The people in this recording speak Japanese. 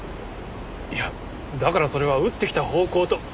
いやだからそれは撃ってきた方向と。